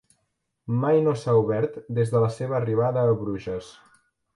Mai no s'ha obert des de la seva arribada a Bruges.